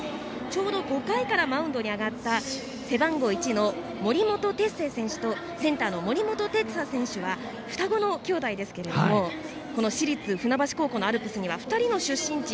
ちょうど、５回からマウンドに上がった背番号１の森本哲星選手とセンターの森本哲太選手は双子の兄弟ですけれども市立船橋高校のアルプスには２人の出身地